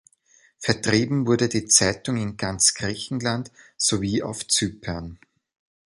Vertrieben wurde die Zeitung in ganz Griechenland sowie auf Zypern.